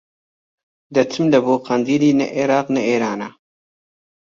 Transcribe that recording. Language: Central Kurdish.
دەچم لە بۆ قەندیلی نە ئێراق نە ئێرانە